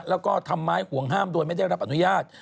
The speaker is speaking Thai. แล้วก็ทำไมห่วงห้ามโดยไม่ได้รับอนุญาต